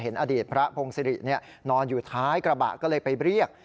อดีตพระพงศิรินอนอยู่ท้ายกระบะก็เลยไปเรียก